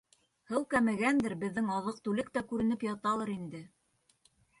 Һыу кәмегәндер, беҙҙең аҙыҡ-түлек тә күренеп яталыр инде.